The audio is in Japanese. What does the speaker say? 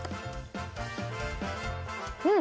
うん！